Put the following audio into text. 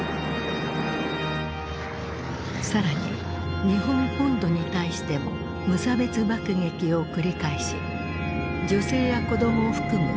更に日本本土に対しても無差別爆撃を繰り返し女性や子どもを含む